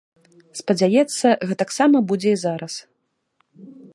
Спадзяецца, гэтаксама будзе і зараз.